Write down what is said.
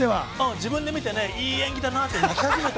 自分で見ていい演技だなって泣き始めた。